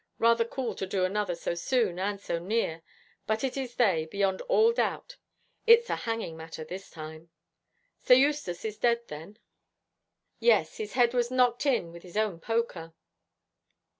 Rather cool to do another so soon and so near, but it is they, beyond all doubt. It's a hanging matter this time.' 'Sir Eustace is dead, then?' 'Yes, his head was knocked in with his own poker.'